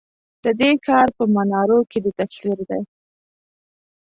ددې ښار په منارو کی دی تصوير دی